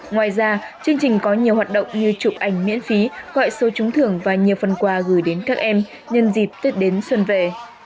ngoài ra chương trình có nhiều hoạt động như chụp ảnh miễn phí gọi số trúng thưởng và nhiều phần quà gửi đến các em nhân dịp tết đến xuân về